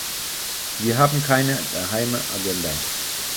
Wir haben keine geheime Agenda.